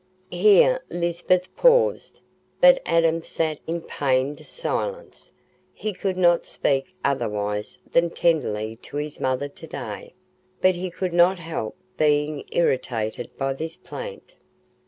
Here Lisbeth paused, but Adam sat in pained silence—he could not speak otherwise than tenderly to his mother to day, but he could not help being irritated by this plaint.